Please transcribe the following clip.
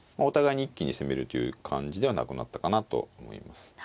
お互いに一気に攻めるという感じではなくなったかなと思います。